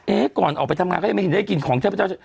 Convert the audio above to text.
ก่อนออกไปทำงานก็ยังไม่เห็นได้กินของเทพเจ้า